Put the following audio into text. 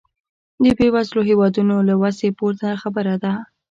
د بېوزلو هېوادونو له وسې پورته خبره ده.